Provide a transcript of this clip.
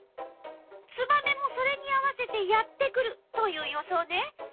ツバメもそれに合わせてやって来るという予想ね。